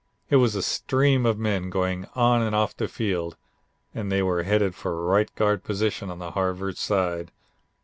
It was a stream of men going on and off the field and they were headed for right guard position on the Harvard side.